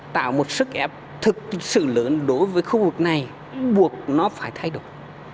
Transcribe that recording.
tạo một sức ép thực sự lớn đối với khu vực này buộc nó phải thay đổi